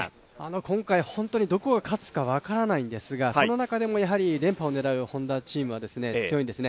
今回本当にどこが勝つか分からないですが、その中でもやはり連覇を狙うＨｏｎｄａチームは強いんですね。